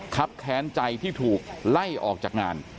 ครับแค้นใจที่ถูกไล่ออกจากงาน